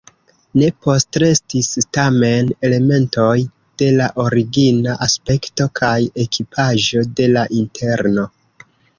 Ne postrestis tamen elementoj de la origina aspekto kaj ekipaĵo de la interno.